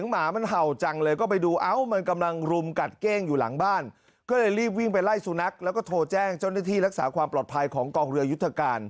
มันนอนนิ่งอยู่หลังบ้านพักของจ่ายเอก